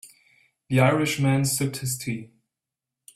The Irish man sipped his tea.